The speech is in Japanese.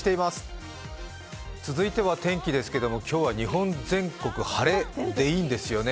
続いては天気ですが、今日は日本全国晴れでいいんですよね。